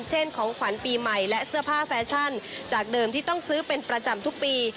ของขวัญปีใหม่และเสื้อผ้าแฟชั่นจากเดิมที่ต้องซื้อเป็นประจำทุกปี